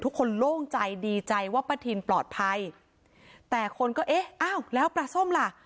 โล่งใจดีใจว่าป้าทินปลอดภัยแต่คนก็เอ๊ะอ้าวแล้วปลาส้มล่ะ